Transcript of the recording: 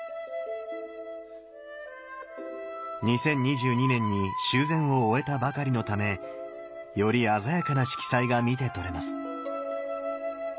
２０２２年に修繕を終えたばかりのためより鮮やかな色彩が見て取れます。